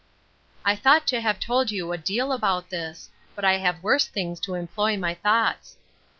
I thought to have told you a deal about this; but I have worse things to employ my thoughts.